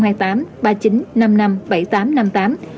người đăng ký sẽ nhận được tổ chức đường dây nóng